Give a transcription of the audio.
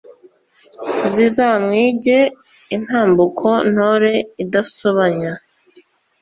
zizamwige intambuko ntore idasobanya